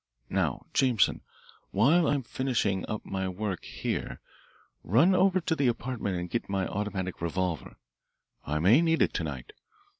Now, Jameson, while I'm finishing up my work here, run over to the apartment and get my automatic revolver. I may need it to night.